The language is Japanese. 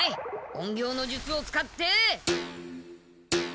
隠形の術を使って。